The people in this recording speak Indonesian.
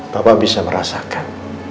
papa bisa merasakan